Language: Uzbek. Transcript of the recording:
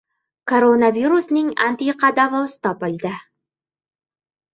Koronavirusning antiqa davosi topildi